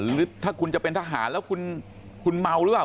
หรือถ้าคุณจะเป็นทหารแล้วคุณเมาหรือเปล่า